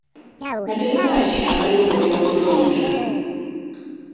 Mateeka ki agaaliwo mu by'okulonda?